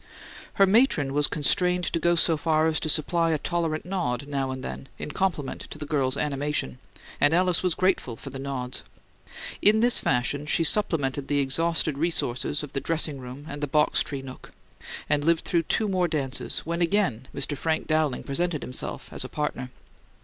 Her matron was constrained to go so far as to supply a tolerant nod, now and then, in complement to the girl's animation, and Alice was grateful for the nods. In this fashion she supplemented the exhausted resources of the dressing room and the box tree nook; and lived through two more dances, when again Mr. Frank Dowling presented himself as a partner.